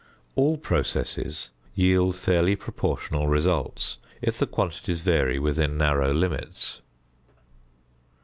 All processes yield fairly proportional results if the quantities vary within narrow limits.